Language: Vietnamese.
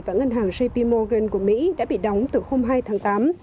và ngân hàng jp morgan của mỹ đã bị đóng từ hôm hai tháng tám